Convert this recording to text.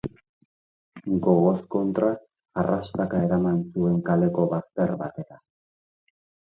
Gogoz kontra arrastaka eraman zuen kaleko bazter batera.